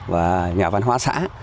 và nhà văn hóa xã